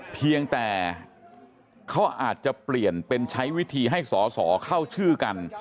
เพียงแต่เขาอาจจะเปลี่ยนเป็นใช้วิธีให้สอสอเข้าชื่อกัน